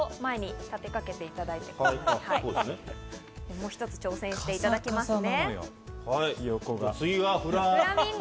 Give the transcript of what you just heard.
もう一つ挑戦していただきましょう。